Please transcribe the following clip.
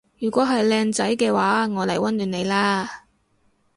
如果係靚仔嘅話我嚟溫暖你啦